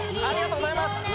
ありがとうございます。